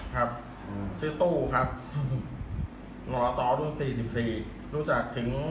ไม่เอาอ่ะผมไอ้เพื่อนไอ้ทำไมอ่ะรู้จักท่านพิเศษ